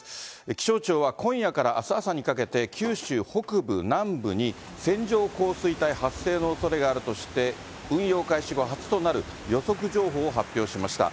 気象庁は今夜からあす朝にかけて、九州北部、南部に線状降水帯発生のおそれがあるとして、運用開始後、初となる予測情報を発表しました。